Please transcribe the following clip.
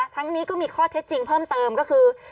ทั้งนี้ก็มีข้อเท็จจริงเพิ่มเติมก็คือ